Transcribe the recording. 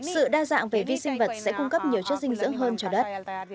sự đa dạng về vi sinh vật sẽ cung cấp nhiều chất dinh dưỡng hơn cho đất